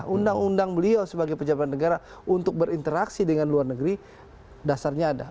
undang undang beliau sebagai pejabat negara untuk berinteraksi dengan luar negeri dasarnya ada